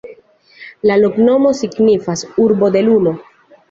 La loknomo signifas: Urbo de Luno.